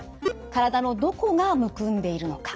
体のどこがむくんでいるのか。